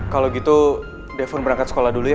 kalau gitu defun berangkat sekolah dulu ya